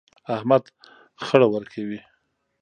احمد خړه ورکوي.